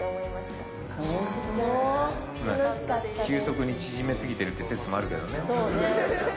急速に縮めすぎてるっていう説もあるけどね。